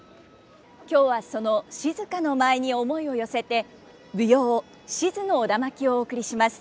今日はその静の舞に思いを寄せて舞踊「賤の苧環」をお送りします。